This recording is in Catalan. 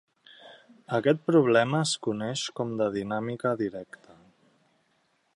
Aquest problema es coneix com de dinàmica directa.